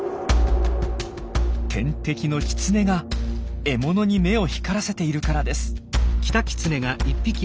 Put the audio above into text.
天敵のキツネが獲物に目を光らせているからです。